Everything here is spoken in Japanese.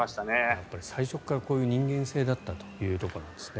やっぱり最初からこういう人間性だったということなですね。